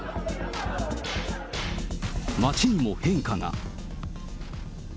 街にも変化が。